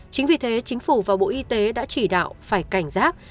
chính vì thế chính phủ và bộ y tế đã chỉ đạo phải cảnh giác